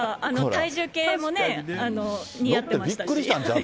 体重計のね、似合ってましたよね。